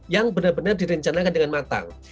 yang benar benar direncanakan dengan matang